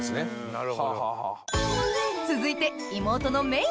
なるほど。